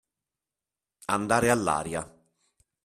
Andare all'aria.